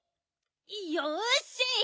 よし！